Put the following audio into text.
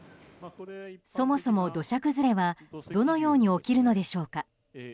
そもそも土砂崩れはどのように起きるのでしょうか。